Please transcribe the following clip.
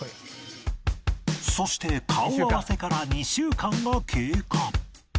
そして顔合わせから２週間が経過